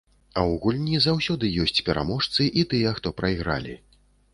А ў гульні заўсёды ёсць пераможцы і тыя, хто прайгралі.